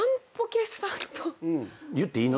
言っていいの？